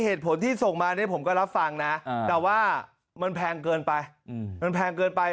เหตุผลที่ส่งมาผมก็รับฟังนะแต่ว่ามันแพงเกินไป